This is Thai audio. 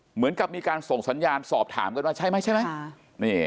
เหมือนกับมีการส่งสัญญาณสอบถามกันว่าใช่ไหมใช่ไหม